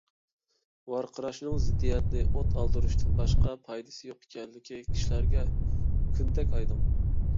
ۋارقىراشنىڭ زىددىيەتنى ئوت ئالدۇرۇشتىن باشقا پايدىسى يوق ئىكەنلىكى كىشىلەرگە كۈندەك ئايدىڭ.